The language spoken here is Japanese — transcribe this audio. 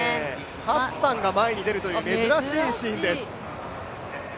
ハッサンが前に出るという珍しいシーンです。